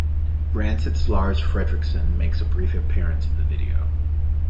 Rancid's Lars Fredriksen makes a brief appearance in the video.